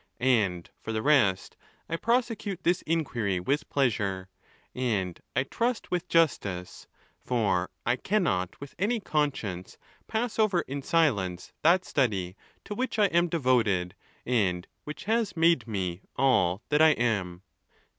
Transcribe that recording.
And for the rest, I prosecute this inquiry with pleasure, and I — trust with justice; for I cannot with any conscience pass over in silence that study to which I am devoted, and which has made me all that I am.